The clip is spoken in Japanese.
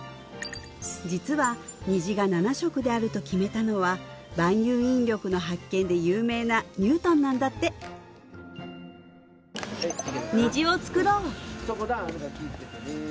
実は虹が７色であると決めたのは万有引力の発見で有名なニュートンなんだって虹を作ろう！